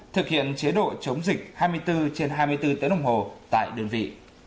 thực hiện chế độ chống dịch hai mươi bốn trên hai mươi bốn tiếng đồng hồ tại đơn vị